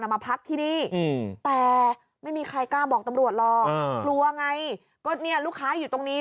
มาพักที่นี่แต่ไม่มีใครกล้าบอกตำรวจหรอกกลัวไงก็เนี่ยลูกค้าอยู่ตรงนี้